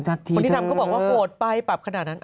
คนที่ทำก็บอกว่าโหดไปปรับขนาดนั้น